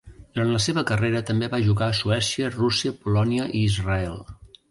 Durant la seva carrera també va jugar a Suècia, Rússia, Polònia i Israel.